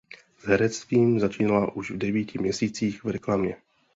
S herectvím začínala už v devíti měsících v reklamě.